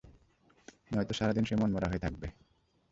নয়তো সারাদিন সে মনমরা হয়ে থাকবে।